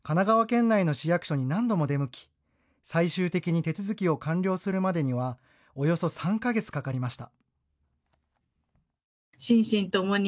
都内の区役所や神奈川県内の市役所に何度も出向き最終的に手続きを完了するまでにはおよそ３か月かかりました。